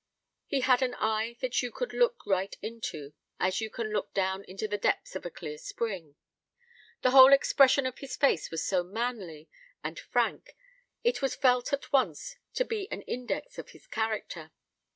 He had an eye that you could look right into, as you can look down into the depths of a clear spring. The whole expression of his face was so manly and frank, it was felt at once to be an index of his character.